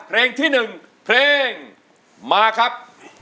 เพลงที่๑เพลงมาครับ